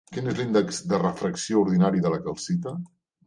Quin és l'índex de refracció ordinari de la calcita?